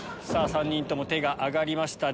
３人とも手が挙がりました。